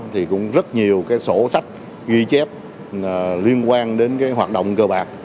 thì cũng rất nhiều cái sổ sách ghi chép liên quan đến cái hoạt động cơ bạc